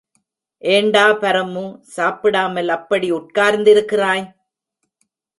ஏண்டா பரமு, சாப்பிடாமல் அப்படி உட்கார்ந்திருக்கிறாய்?